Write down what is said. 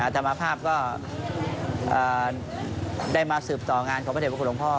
ธรรมภาพก็ได้มาสืบต่องานของพระเด็บพระคุณหลวงพ่อ